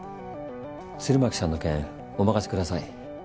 鶴巻さんの件お任せください。